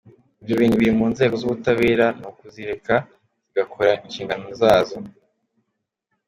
Iyo ibintu biri mu nzego z’ubutabera ni ukuzireka zigakora inshingano zazo”.